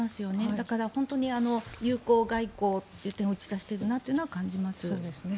だから、本当に友好外交という点を打ち出しているなと感じます。